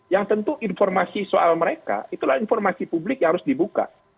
yang tentu informasi soal mereka itulah informasi publik yang harus dibuka